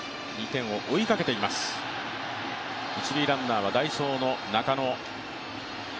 一塁ランナーは代走の中野。